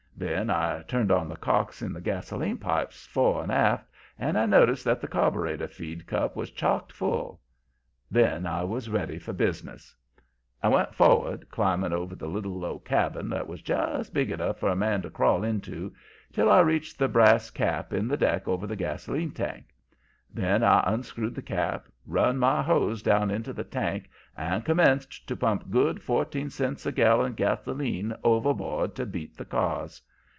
Then I turned on the cocks in the gasoline pipes fore and aft, and noticed that the carbureter feed cup was chock full. Then I was ready for business. "I went for'ard, climbing over the little low cabin that was just big enough for a man to crawl into, till I reached the brass cap in the deck over the gasoline tank. Then I unscrewed the cap, run my hose down into the tank, and commenced to pump good fourteen cents a gallon gasoline overboard to beat the cars.